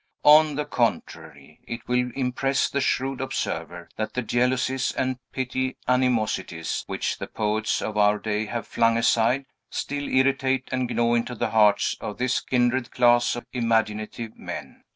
On the contrary, it will impress the shrewd observer that the jealousies and petty animosities, which the poets of our day have flung aside, still irritate and gnaw into the hearts of this kindred class of imaginative men.